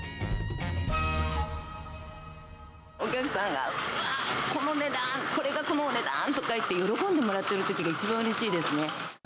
お客さんに、うわー、これがこのお値段って喜んでもらってるときが一番うれしいですね。